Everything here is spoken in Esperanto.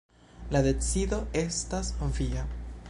La decido estas via.